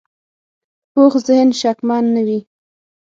پوخ ذهن شکمن نه وي